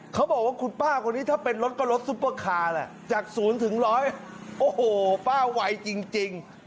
เขาบอกว่าคุณป้าคนนี้ถ้าเป็นรถก็รถซุปเปอร์คาร่ะจากศูนย์ถึงร้อยโอ้โหป้าวัยจริงจริง